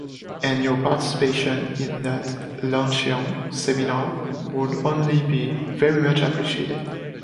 And your participation in that luncheon seminar would only be very much appreciated.